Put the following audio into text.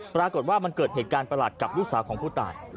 ปรากฏว่ามันเกิดเหตุการณ์ประหลาดกับลูกสาวของผู้ตาย